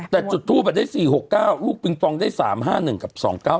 แต่จุดทูปได้๔๖๙ลูกปิงปองได้๓๕๑กับ๒๙๙